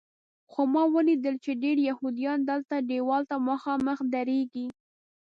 خو ما ولیدل چې ډېر یهودیان دلته دیوال ته مخامخ درېږي.